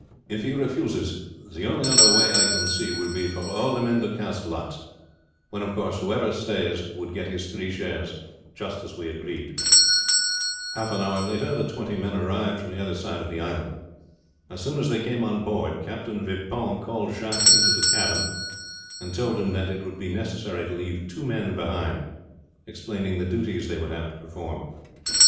If he refuses, the only other way I can see will be for all the men to cast lots, when, of course, whoever stays would get his three shares as we agreed." Half an hour later the twenty men arrived from the other side of the island. As soon as they came on board Captain Vipon called Jacques into the cabin and told him that it would be necessary to leave two men behind, explaining the duties they would have to perform.